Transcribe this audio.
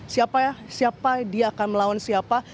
siapa ya siapa dia akan melawan siapa